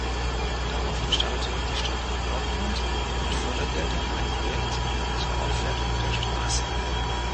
Daraufhin startete die Stadt Dortmund mit Fördergeldern ein Projekt zur Aufwertung der Straße.